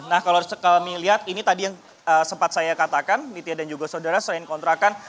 nah kalau kami lihat ini tadi yang sempat saya katakan nitya dan juga saudara selain kontrakan